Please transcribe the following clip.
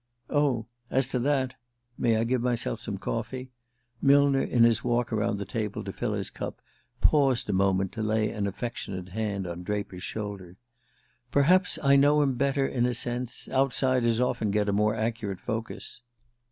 "Oh, as to that (may I give myself some coffee?)" Millner, in his walk around the table to fill his cup, paused a moment to lay an affectionate hand on Draper's shoulder. "Perhaps I know him better, in a sense: outsiders often get a more accurate focus."